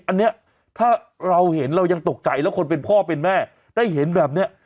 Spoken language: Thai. อันนี้ถ้าเราเห็นเรายังตกใจแล้วคนเป็นพ่อเป็นแม่ได้เห็นแบบนี้